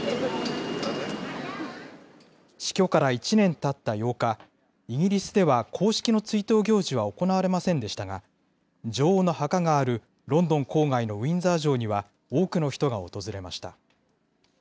死去から１年たった８日、イギリスでは公式の追悼行事は行われませんでしたが、女王の墓があるロンドン郊外のウィンザー城には多くの人が訪れました。